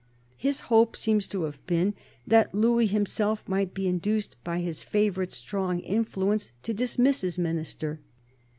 His hope seems to have been that Louis him self might be induced by his favourite's strong influence to dismiss his Minister.